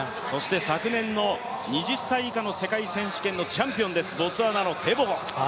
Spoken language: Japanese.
昨年の２０歳以下の世界選手権のチャンピオンです、ボツワナのテボゴ。